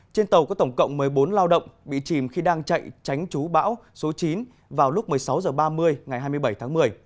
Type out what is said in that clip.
trên tàu có tổng cộng một mươi bốn lao động bị chìm khi đang chạy tránh chú bão số chín vào lúc một mươi sáu h ba mươi ngày hai mươi bảy tháng một mươi